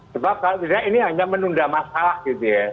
sebab kalau tidak ini hanya menunda masalah gitu ya